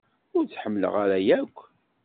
Ur tt-ḥemmleɣ ara akk.